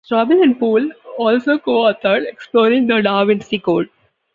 Strobel and Poole also co-authored "Exploring the Da Vinci Code".